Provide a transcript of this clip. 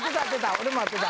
俺も合ってた。